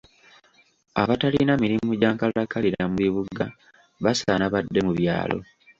Abatalina mirimu gya nkalakkalira mu bibuga basaana badde mu byalo.